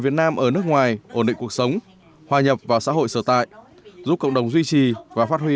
việt nam ở nước ngoài ổn định cuộc sống hòa nhập vào xã hội sở tại giúp cộng đồng duy trì và phát huy